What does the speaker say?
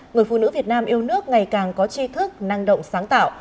người phụ nữ việt nam yêu nước ngày càng có chi thức năng động sáng tạo